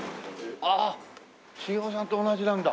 ああ茂雄さんと同じなんだ。